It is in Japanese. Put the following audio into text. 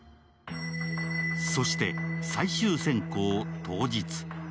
そして最終選考当日。